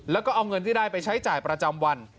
แล้วก็เอาเงินที่ได้ไปใช้จ่ายประจำวัน